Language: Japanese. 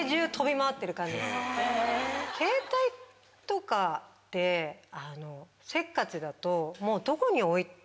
感じです。とかってせっかちだと。